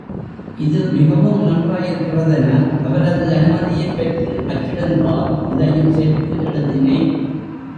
இது மிகவும் நன்றாயிருக்கிறதென, அவரது அனுமதியைப் பெற்று அச்சிடுங்கால் இதையும் சேர்த்து எழுதினேன்.